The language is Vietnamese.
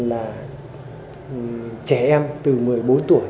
là trẻ em từ một mươi bốn tuổi